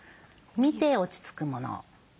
見て落ち着くもの。